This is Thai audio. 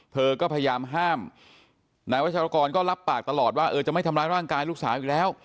เธอก็พยายามห้ามนายวัชรกรก็รับปากตลอดว่าเออจะไม่ทำร้ายร่างกายลูกสาวอีกแล้ว